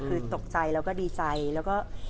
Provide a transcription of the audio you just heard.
คือตกใจแล้วก็ดีใจแล้วก็